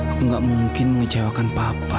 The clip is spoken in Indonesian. aku gak mungkin mengecewakan papa